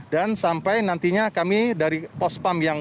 dan sampai nantinya kami dari pospam yang berada di lintas